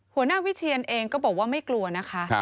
หัวหน้าวิเชียนเองก็บอกว่าไม่กลัวนะคะ